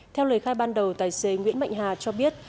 theo lời khai ban đầu tài xế nguyễn mạnh hà cho biết